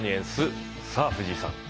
さあ藤井さん。